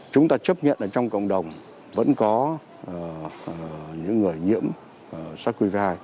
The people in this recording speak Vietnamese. chúng ta chấp nhận ở trong cộng đồng vẫn có những người nhiễm sars cov hai